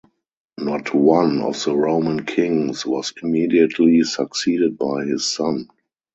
Not one of the Roman kings was immediately succeeded by his son.